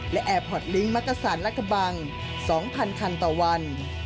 และแอบฮอตลิงก์มักกระสานและกระบัง๒๐๐๐คันต่อวัน